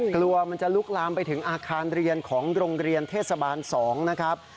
กลัวมันจะลุกลามไปถึงอาคารเรียนของโรงเรียนเทศบาล๒นะครับ